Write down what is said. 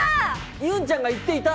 ゆんちゃんが言っていた。